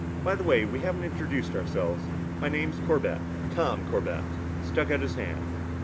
"By the way, we haven't introduced ourselves. My name's Corbett Tom Corbett." He stuck out his hand.